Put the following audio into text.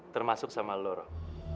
termasuk sama lo rob